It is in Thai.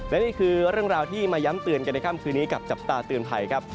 และนี่คือเรื่องราวที่มาย้ำเตือนกันในค่ำคืนนี้กับจับตาเตือนภัยครับ